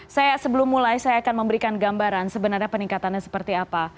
saya sebelum mulai saya akan memberikan gambaran sebenarnya peningkatannya seperti apa